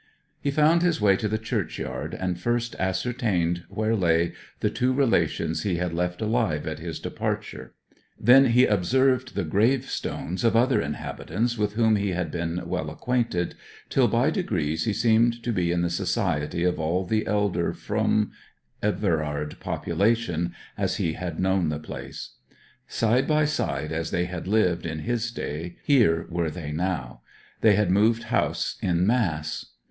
He found his way to the churchyard, and first ascertained where lay the two relations he had left alive at his departure; then he observed the gravestones of other inhabitants with whom he had been well acquainted, till by degrees he seemed to be in the society of all the elder Froom Everard population, as he had known the place. Side by side as they had lived in his day here were they now. They had moved house in mass.